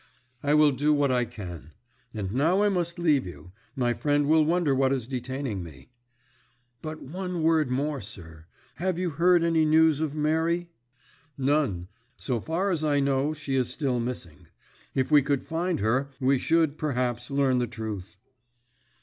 "I will do what I can. And now I must leave you. My friend will wonder what is detaining me." "But one word more, sir. Have you heard any news of Mary?" "None. So far as I know, she is still missing. If we could find her we should, perhaps, learn the truth."